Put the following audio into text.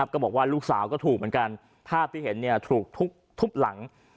ก็บอกว่าลูกสาวก็ถูกเหมือนกันภาพที่เห็นถูกทุบหลัง